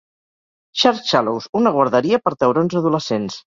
Shark Shallows una guarderia per taurons adolescents.